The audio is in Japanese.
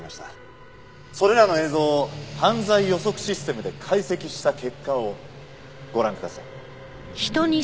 それらの映像を犯罪予測システムで解析した結果をご覧ください。